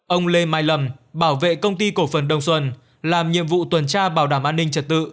ông lê mai lâm bảo vệ công ty cổ phần đồng xuân làm nhiệm vụ tuần tra bảo đảm an ninh trật tự